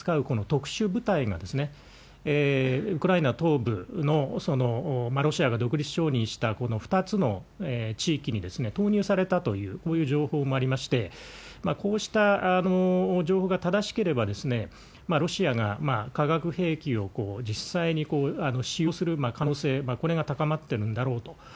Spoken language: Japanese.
この特殊部隊が、ウクライナ東部のロシアが独立承認した２つの地域に投入したという、こういう情報もありまして、こうした情報が正しければ、ロシアが化学兵器を実際に使用する可能性、これが高まってるんだろうと。